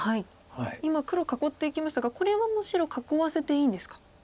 今黒囲っていきましたがこれはもう白囲わせていいんですか。